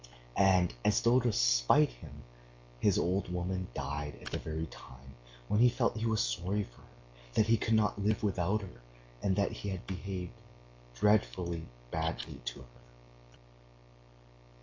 And, as though to spite him, his old woman died at the very time when he felt he was sorry for her, that he could not live without her, and that he had behaved dreadfully badly to her.